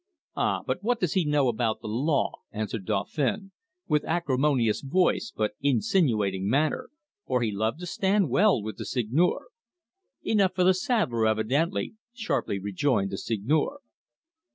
"Ah, but what does he know about the law?" answered Dauphin, with acrimonious voice but insinuating manner, for he loved to stand well with the Seigneur. "Enough for the saddler evidently," sharply rejoined the Seigneur.